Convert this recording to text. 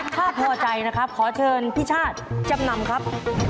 ถ้าพอใจนะครับขอเชิญพี่ชาติจำนำครับ